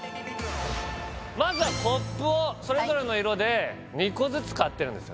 まずはコップをそれぞれの色で２個ずつ買ってるんですよね